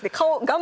顔